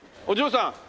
お嬢さん